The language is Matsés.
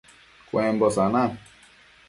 Cuembo sanan